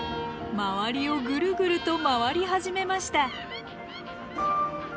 周りをグルグルと回り始めました。